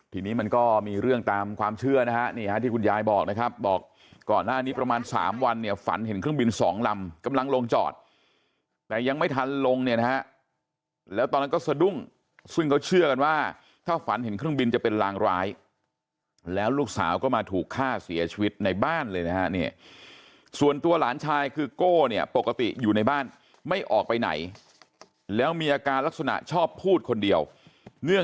ทีนี้มันก็มีเรื่องตามความเชื่อนะฮะที่คุณยายบอกนะครับบอกก่อนหน้านี้ประมาณสามวันเนี่ยฝันเห็นเครื่องบินสองลำกำลังลงจอดแต่ยังไม่ทันลงเนี่ยนะฮะแล้วตอนนั้นก็สะดุ้งซึ่งเขาเชื่อกันว่าถ้าฝันเห็นเครื่องบินจะเป็นรางร้ายแล้วลูกสาวก็มาถูกฆ่าเสียชีวิตในบ้านเลยนะฮะเนี่ยส่วนตัวหลานชายคื